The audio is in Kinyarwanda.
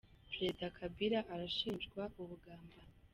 Perezida Kabila arashijwa ubugambanyi